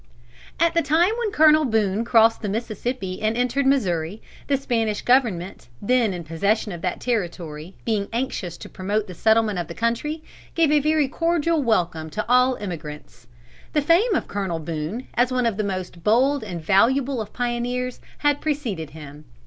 At the time when Colonel Boone crossed the Mississippi and entered Missouri, the Spanish Government, then in possession of that territory, being anxious to promote the settlement of the country, gave a very cordial welcome to all emigrants. The fame of Colonel Boone, as one of the most bold and valuable of pioneers, had preceded him.